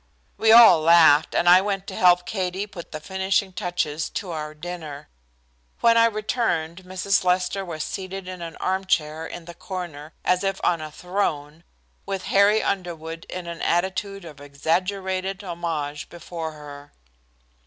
We all laughed and I went to help Katie put the finishing touches to our dinner. When I returned Mrs. Lester was seated in an armchair in the corner as if on a throne, with Harry Underwood in an attitude of exaggerated homage before her.